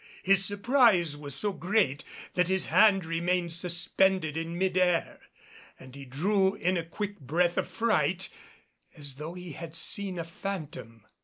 His surprise was so great that his hand remained suspended in mid air, and he drew in a quick breath of fright as though he had seen a phantom.